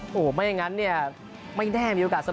โอ้โหไม่อย่างนั้นเนี่ยไม่แน่มีโอกาสเสมอ